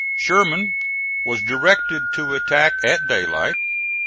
Sherman was directed to attack at daylight.